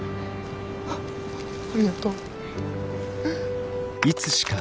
あありがとう。